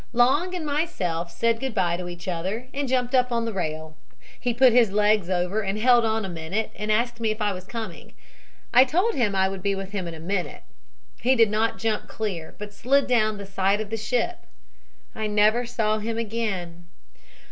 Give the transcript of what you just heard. "Long and myself said good bye to each other and jumped up on the rail. He put his legs over and held on a minute and asked me if I was coming. I told him I would be with him in a minute. He did not jump clear, but slid down the side of the ship. I never saw him again.